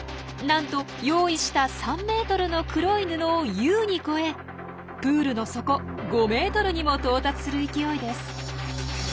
なんと用意した３ｍの黒い布を優に超えプールの底５ｍにも到達する勢いです。